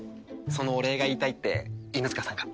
そのお礼が言いたいって犬塚さんが。